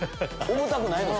重たくないの？